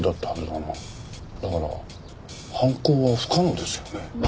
だから犯行は不可能ですよね。